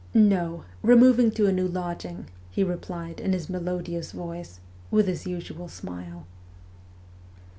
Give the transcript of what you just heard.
' No, removing to a new lodging,' he replied in his melodious voice, with his usual smile.